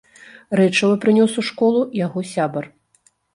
Рэчыва прынёс у школу яго сябар.